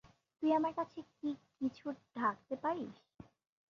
তুই আমার কাছে কি কিছু ঢাকতে পারিস?